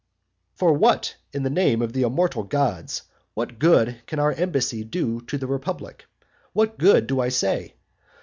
III. For what, in the name of the immortal gods! what good can our embassy do to the republic? What good, do I say?